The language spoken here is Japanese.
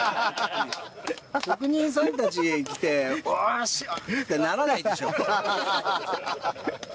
職人さんたちが来て、おし！ってならないでしょ。